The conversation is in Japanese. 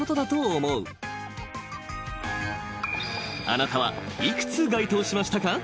［あなたは幾つ該当しましたか。